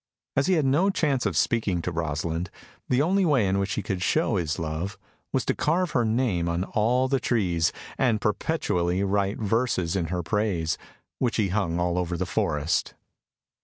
As he had no chance of speaking to Rosalind, the only way in which he could show his love was to carve her name on all the trees, and perpetually to write verses in her praise, which he hung all over the forest.